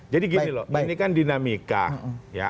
jadi gini loh ini kan dinamika